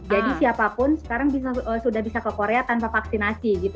jadi siapapun sekarang sudah bisa ke korea tanpa vaksinasi gitu